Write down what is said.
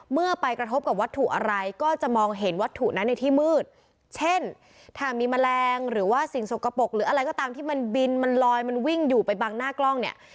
เมื่อไปกระทบกับวัตถุอะไรก็จะมองเห็นวัตถุนั้นในที่มืดเช่นถ้ามีแมลงหรือว่าสิ่งสกปรกหรืออะไรก็ตามที่มันบินมันลอยมันวิ่งอยู่ไปบังหน้ากล้องเนี่ย